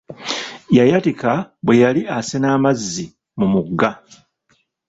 Yayatika bwe yali asena amazzi mu mugga.